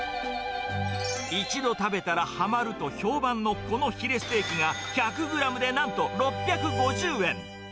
一度食べたらはまると評判のこのヒレステーキが１００グラムでなんと６５０円。